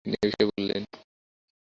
তিনি এ বিষয়ে বলেন-